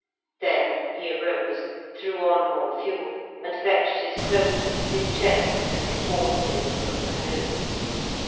Then he arose, threw on more fuel, and fetched his cloak, his chest, and his boar spear from the canoe.